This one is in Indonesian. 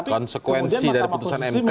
konsekuensi dari keputusan mk ini maksudnya